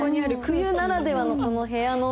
冬ならではのこの部屋の。